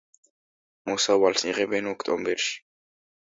მოსავალს იღებენ ოქტომბერში.